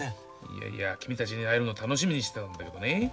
いやいや君たちに会えるのを楽しみにしてたんだけどね。